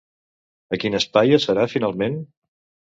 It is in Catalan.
A quin espai es farà, finalment?